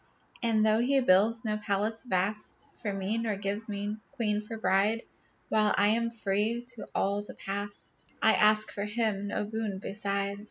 And though he builds no palace vast For me, nor gives me queen for bride, While I am free to all the past, I ask from him no boon beside.